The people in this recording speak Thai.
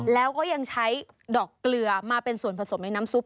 แล้วก็ยังใช้ดอกเกลือมาเป็นส่วนผสมในน้ำซุป